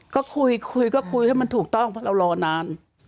ก็คุยคุยก็คุยให้มันถูกต้องเพราะเรารอนาน